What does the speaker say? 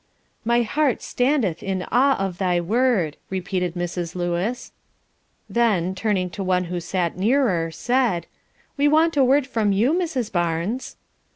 "My heart standeth in awe of thy word," repeated Mrs. Lewis; then, turning to one who sat near her, said, "We want a word from you, Mrs. Barnes."